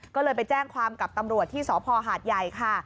ก็เลยไปแจ้งความกับตำรวจที่สพหาดใหญ่ค่ะ